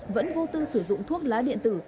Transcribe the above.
vẫn vô tư sử dụng thuốc lá điện tử